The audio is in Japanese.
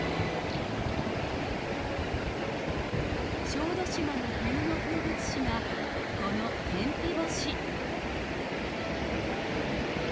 小豆島の冬の風物詩がこの天日干し。